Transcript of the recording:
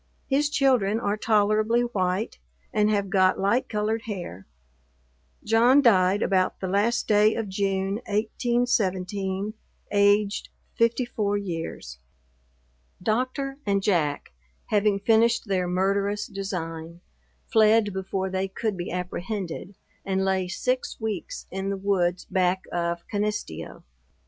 His children are tolerably white, and have got light colored hair. John died about the last day of June, 1817, aged 54 years. Doctor and Jack, having finished their murderous design, fled before they could be apprehended, and lay six weeks in the woods back of Canisteo.